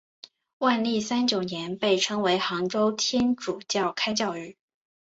万历三十九年被称为杭州天主教开教日。